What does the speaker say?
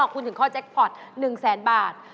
คุณถึงข้อแจ็คพอร์ต๑แสนบาท